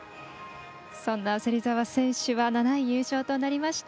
芹澤選手は７位入賞となりました。